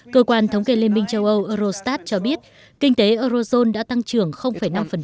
cơ quan thống kê liên minh châu âu eurostat cho biết kinh tế eurozone đã tăng trưởng năm